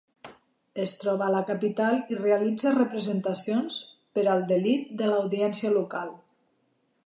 Es troba a la capital i realitza representacions per al delit de l'audiència local.